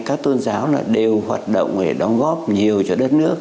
các tôn giáo là đều hoạt động để đóng góp nguồn lực cho người dân